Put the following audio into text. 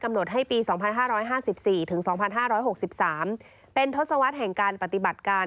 หดให้ปี๒๕๕๔ถึง๒๕๖๓เป็นทศวรรษแห่งการปฏิบัติการ